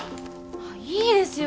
あっいいですよ